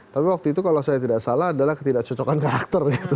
tapi waktu itu kalau saya tidak salah adalah ketidak cocokan karakter